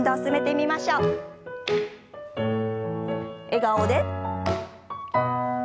笑顔で。